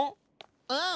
うん！